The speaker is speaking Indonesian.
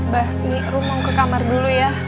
bah mi rum mau ke kamar dulu ya